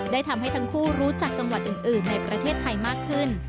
ทำให้ทั้งคู่รู้จักจังหวัดอื่นในประเทศไทยมากขึ้น